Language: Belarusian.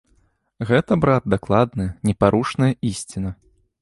Гэта, брат, дакладная, непарушная ісціна.